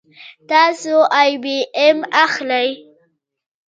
تاسو آی بي ایم اخلئ